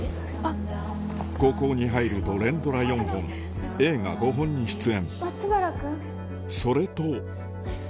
高校に入ると連ドラ４本、映画５本に出演。